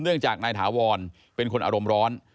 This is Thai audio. เนื่องจากนายถาวรเป็นคนอารมณ์ร้อน